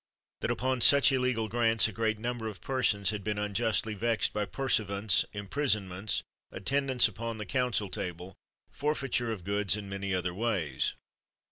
That, upon such illegal grants, a great number of persons had been unjustly vexed by pursuivants, imprisonments, attend ance upon the council table, forfeiture of goods, and many other ways.